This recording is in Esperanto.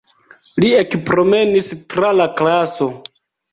Li ekpromenis tra la klaso.